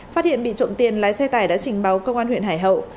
phát hiện bị trộm tiền lái xe tải đã trình báo công an huyện hải hậu